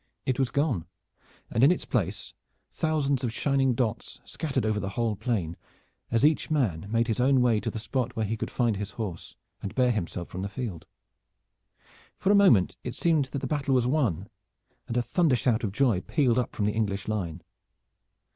It was gone, and in its place thousands of shining dots scattered over the whole plain as each man made his own way to the spot where he could find his horse and bear himself from the field. For a moment it seemed that the battle was won, and a thundershout of joy pealed up from the English line.